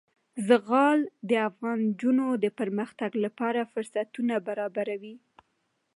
زغال د افغان نجونو د پرمختګ لپاره فرصتونه برابروي.